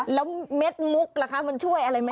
แล้วเม็ดมุกหละครับมันช่วยอะไร